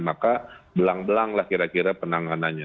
maka belang belang lah kira kira penanganannya